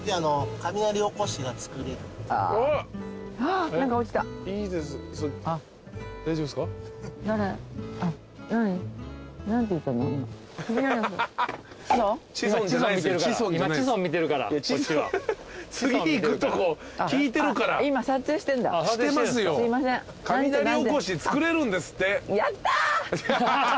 雷おこし作れるんですって。